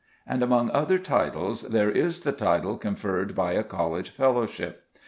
And among other titles there is the title conferred by a college fellowship.